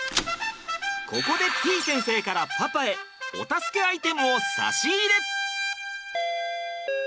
ここでてぃ先生からパパへお助けアイテムを差し入れ！